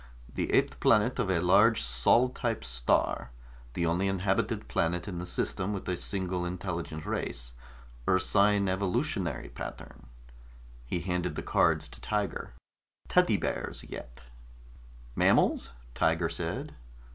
The eighth planet of a large Sol type star, the only inhabited planet in the system with a single intelligent race, ursine evolutionary pattern." He handed the cards to Tiger. "Teddy bears, yet!" "Mammals?" Tiger said.